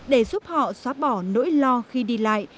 để giúp họ xóa bỏ nỗi lo khi đi lại